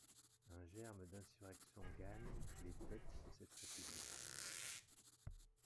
Un germe d'insurrection gagne toutes les têtes de cette république.